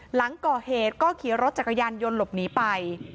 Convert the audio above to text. หลังก่อเหตุก็ขี่รถจักรยานยนต์หลบหนีไป